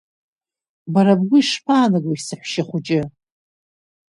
Бара бгәы ишԥаанагои, саҳәшьа хәыҷы?